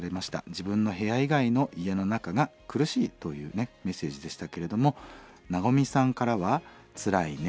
自分の部屋以外の家の中が苦しいというメッセージでしたけれどもナゴミさんからは「つらいね。